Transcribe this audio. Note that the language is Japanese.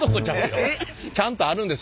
ちゃんとあるんです。